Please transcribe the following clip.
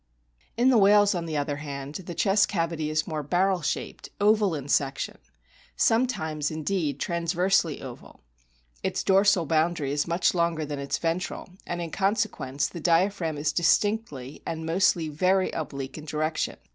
In the whales, on the other hand, the chest cavity is more barrel shaped, oval in section sometimes, indeed, transversely oval ; its dorsal boundary is much longer than its ventral, and in consequence the diaphragm is distinctly, and mostly very, oblique in direction.